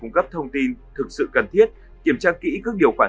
những cái thông tin cá nhân đấy ra bên ngoài